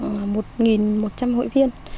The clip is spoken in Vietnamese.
trăm hội viên